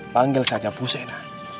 panggil saja pusetna